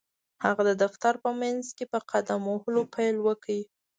هغه د دفتر په منځ کې په قدم وهلو پيل وکړ.